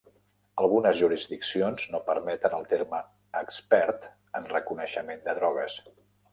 Algunes jurisdiccions no permeten el terme Expert en reconeixement de drogues.